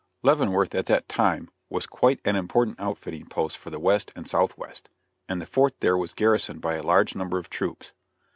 Leavenworth at that time was quite an important outfitting post for the West and Southwest, and the fort there was garrisoned by a large number of troops.